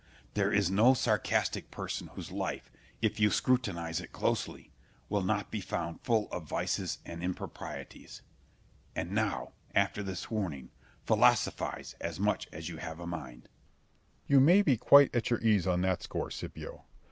There is no sarcastic person whose life, if you scrutinise it closely, will not be found full of vices and improprieties. And now, after this warning, philosophise as much as you have a mind. Berg. You may be quite at your ease on that score, Scipio.